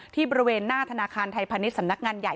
บริเวณหน้าธนาคารไทยพาณิชย์สำนักงานใหญ่